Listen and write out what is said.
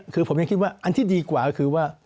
คือผมยังคิดว่าอันที่ดีกว่าก็คือว่า